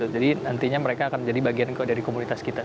jadi nantinya mereka akan jadi bagian dari komunitas kita